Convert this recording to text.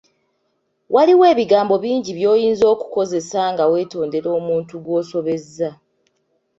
Waliwo ebigambo bingi by'oyinza okukozesa nga weetondera omuntu gw'osobezza.